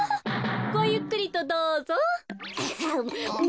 ごゆっくりとどうぞ。